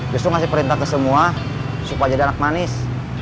justru ngasih perintah ke semua supaya jadi anak manis